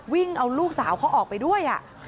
วิ่งเอาลูกสาวเขาออกไปด้วย